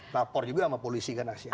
lapor juga sama polisi kan aksi aksi